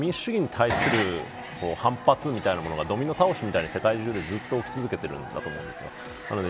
民主主義に対する反発みたいなものがドミノ倒しみたいに世界中でずっと起き続けているみたいです。